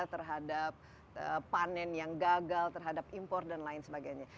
terhadap panen yang gagal terhadap impor dan lain sebagainya